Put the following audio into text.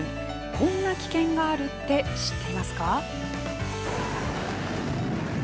こんな危険があるって知っていますか。